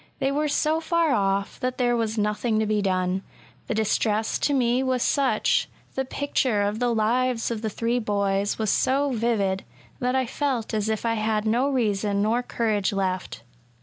They were so far off that there was nothing to be done. The distress to me was such — the picture of the lives of the three boys was SOME PERILS AND PAINS OF INVALIDISM. 181 80 vivid — that I felt as if I had no reason nor courage left.